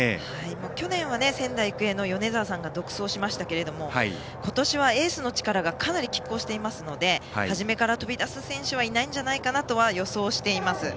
去年は、仙台育英の米澤さんが独走しましたが今年は、エースの力がかなり拮抗していますので初めから飛び出す選手はいないんじゃないかなと予想しています。